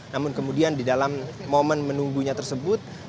namun kemudian di dalam momen menunggunya tersebut